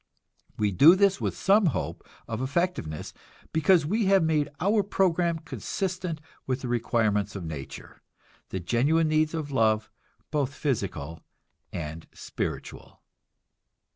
We do this with some hope of effectiveness, because we have made our program consistent with the requirements of nature, the genuine needs of love both physical and spiritual.